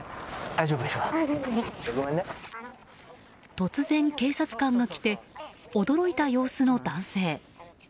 突然、警察官が来て驚いた様子の男性。